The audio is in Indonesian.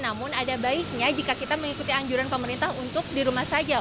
namun ada baiknya jika kita mengikuti anjuran pemerintah untuk di rumah saja